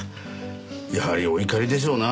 やはりお怒りでしょうな